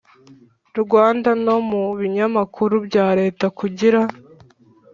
Rwanda no mu binyamakuru bya Leta kugira